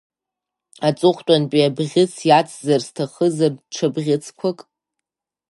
Аҵыхәтәантәи абӷьыц иацзар сҭахызар ҽа бӷьыцқәак?